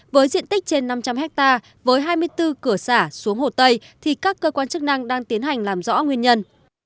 với diện tích trên năm trăm linh hectare với hai mươi bốn cửa xả xuống hồ tây thì các cơ quan chức năng đang tiến hành làm rõ nguyên nhân